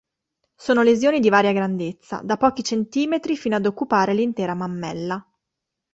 Sono lesioni di varia grandezza, da pochi centimetri fino ad occupare l'intera mammella.